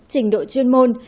trình độ chuyên môn